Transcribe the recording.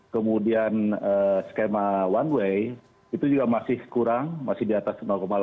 kemudian skema one way itu juga masih kurang masih di atas delapan